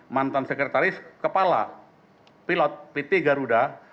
mantan sekretaris kepala pilot pt garuda